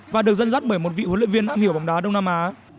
và được dân dắt bởi một vị huấn luyện viên am hiểu bóng đá đông nam á